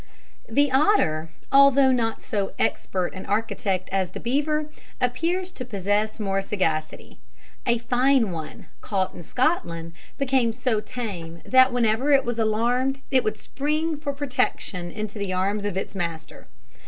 The otter, although not so expert an architect as the beaver, appears to possess more sagacity. A fine one, caught in Scotland, became so tame, that whenever it was alarmed it would spring for protection into the arms of its master.